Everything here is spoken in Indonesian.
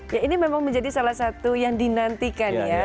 ya ini memang menjadi salah satu yang dinantikan ya